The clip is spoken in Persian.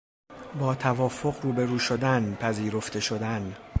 با توافق روبرو شدن، پذیرفته شدن